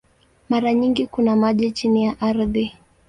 Mara nyingi kuna maji chini ya ardhi.